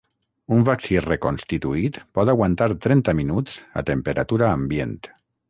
Un vaccí reconstituït pot aguantar trenta minuts a temperatura ambient.